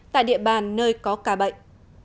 tại địa bàn nơi có ca bệnh